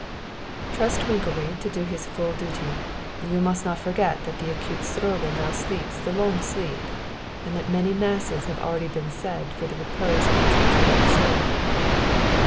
"Trust Winkelried to do his full duty. You must not forget that the acute Stroebel now sleeps the long sleep and that many masses have already been said for the repose of his intrepid soul."